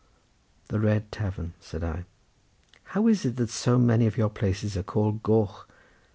"The Red Tavern?" said I. "How is it that so many of your places are called Goch?